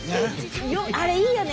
あれいいよね。